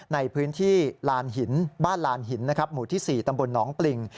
ในพื้นที่บ้านลานหินหมู่ที่๔ตำบลน้องปลิง